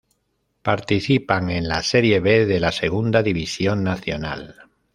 Participan en la Serie B de la Segunda División nacional.